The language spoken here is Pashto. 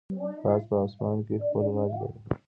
باز په آسمان کې خپل راج لري